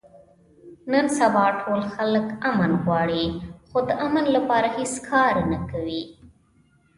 نن سبا ټول خلک امن غواړي، خو د امن لپاره هېڅ کار نه کوي.